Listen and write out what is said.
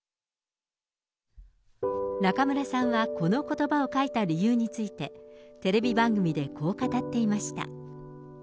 中村さんはこのことばを書いた理由について、テレビ番組でこう語っていました。